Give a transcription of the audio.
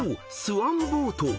スワンボート］